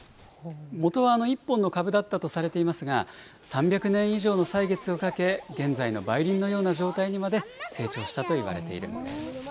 もとは１本の株だったとされていますが、３００年以上の歳月をかけ、現在の梅林のような状態にまで成長したといわれているんです。